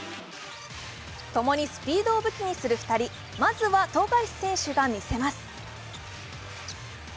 共にスピードを武器にする２人まずは富樫選手が見せます。